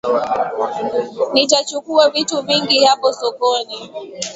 Nitachukua vitu vingi hapo sokoni